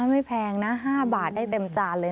ไม่แพงนะ๕บาทได้เต็มจานเลย